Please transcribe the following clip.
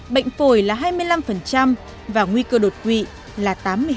bệnh phổi là hai mươi năm và nguy cơ đột quỵ là tám mươi hai